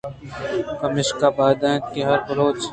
پمیشکا باید اِنت کہ ھر بلوچ